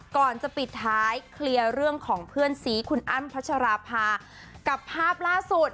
ก่อนจะปิดท้ายเคลียร์เรื่องของเพื่อนสีคุณอ้ำพัชราภากับภาพล่าสุด